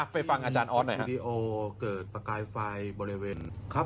ไปฟังอาจารย์ออสหน่อยครับ